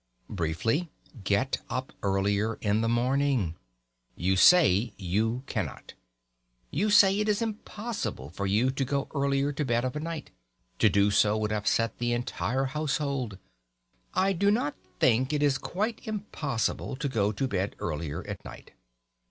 Briefly, get up earlier in the morning. You say you cannot. You say it is impossible for you to go earlier to bed of a night to do so would upset the entire household. I do not think it is quite impossible to go to bed earlier at night.